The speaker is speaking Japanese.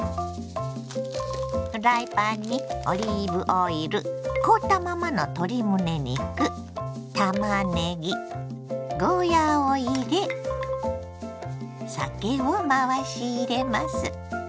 フライパンにオリーブオイル凍ったままの鶏むね肉たまねぎゴーヤーを入れ酒を回し入れます。